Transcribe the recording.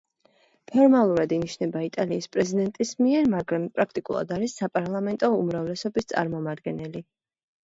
ფორმალურად ინიშნება იტალიის პრეზიდენტის მიერ, მაგრამ პრაქტიკულად არის საპარლამენტო უმრავლესობის წარმომადგენელი.